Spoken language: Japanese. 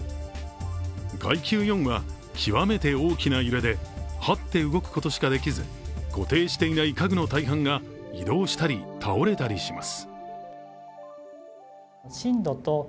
階級４は極めて大きな揺れではって動くことしかできず固定していない家具の大半が移動したり倒れたりします。